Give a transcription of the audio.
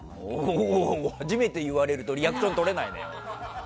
おお初めて言われるとリアクション取れないね。